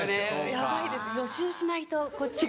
ヤバいです予習しないとこっちが。